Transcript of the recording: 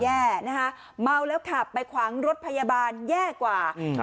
แย่นะคะเมาแล้วขับไปขวางรถพยาบาลแย่กว่าอืม